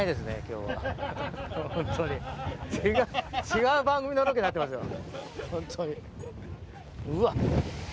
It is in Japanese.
違う番組のロケになってますよ。